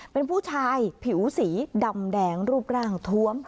เป็นผู้ชายผิวสีดำแดงรูปร่างทวม